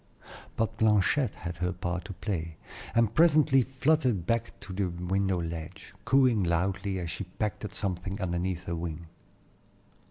But Blanchette had her part to play, and presently fluttered back to the window ledge, cooing loudly as she pecked at something underneath her wing.